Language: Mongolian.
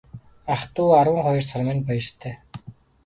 Ах дүү арван хоёр сар минь баяртай.